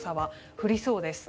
降りそうです。